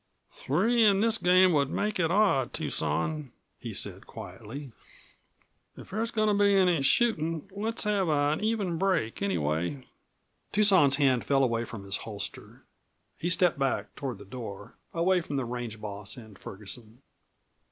"Three in this game would make it odd, Tucson," he said quietly. "If there's goin' to be any shootin', let's have an even break, anyway." Tucson's hand fell away from his holster; he stepped back toward the door, away from the range boss and Ferguson.